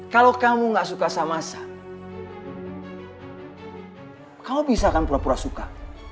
kalau kamu gak suka sama sam kamu bisa kan pura pura suka